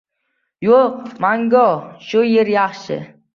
— Yo‘q, mango shu yer yaxshi!